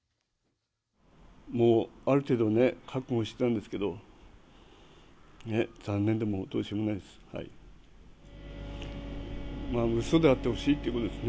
もう、ある程度ね、覚悟してたんですけど、ね、残念でもう、どうしようもないです。